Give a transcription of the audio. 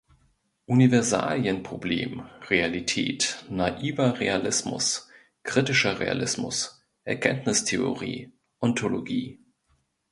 Universalienproblem, Realität, Naiver Realismus, Kritischer Realismus, Erkenntnistheorie, Ontologie